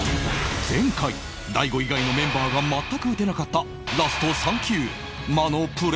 前回大悟以外のメンバーが全く打てなかった